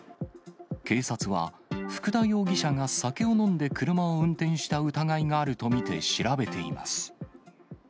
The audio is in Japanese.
警察は、福田容疑者が酒を飲んで車を運転した疑いがあると見て調べています。